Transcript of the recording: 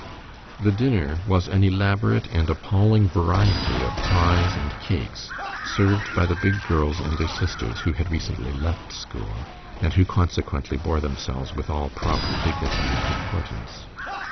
The dinner was an elaborate and appalling variety of pies and cakes, served by the big girls and their sisters, who had recently left school, and who consequently bore themselves with all proper dignity and importance.